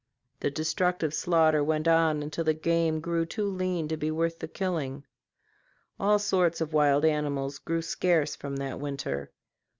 This destructive slaughter went on until the game grew too lean to be worth the killing. All sorts of wild animals grew scarce from that winter.